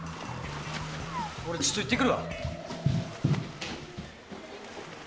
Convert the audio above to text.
俺ちょっと行ってくるわ。